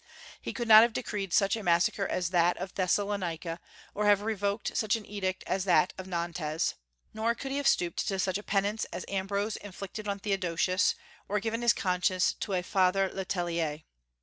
He could not have decreed such a massacre as that of Thessalonica, or have revoked such an edict as that of Nantes. Nor could he have stooped to such a penance as Ambrose inflicted on Theodosius, or given his conscience to a Father Le Tellier.